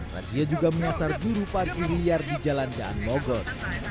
raja juga menyasar juru parkir liar di jalan dan mogok